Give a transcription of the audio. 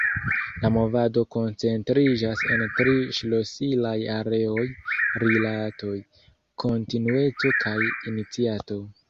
La movado koncentriĝas en tri ŝlosilaj areoj: rilatoj, kontinueco kaj iniciato.